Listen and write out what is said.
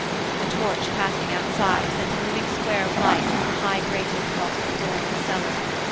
A torch passing outside sent a moving square of light through the high grating across the floor of the cellar.